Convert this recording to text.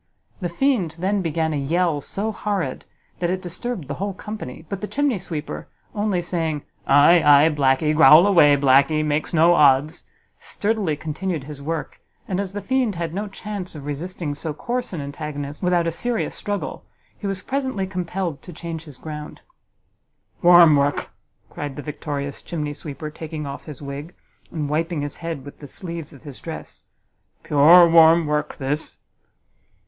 The fiend then began a yell so horrid, that it disturbed the whole company; but the chimney sweeper, only saying, "Aye, aye, blacky, growl away, blacky, makes no odds," sturdily continued his work, and, as the fiend had no chance of resisting so coarse an antagonist without a serious struggle, he was presently compelled to change his ground. "Warm work!" cried the victorious chimney sweeper, taking off his wig, and wiping his head with the sleeves of his dress, "pure warm work this!"